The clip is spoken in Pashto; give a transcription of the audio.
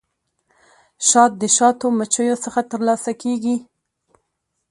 شات د شاتو مچیو څخه ترلاسه کیږي